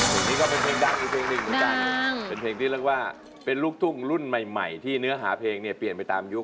เพลงนี้ก็เป็นเพลงดังอีกเพลงหนึ่งเหมือนกันเป็นเพลงที่เรียกว่าเป็นลูกทุ่งรุ่นใหม่ที่เนื้อหาเพลงเนี่ยเปลี่ยนไปตามยุค